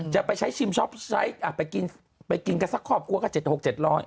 จะไปชิมช็อปไซค์ไปกินกันสักครอบครัวก็๗๖๐๐๗๐๐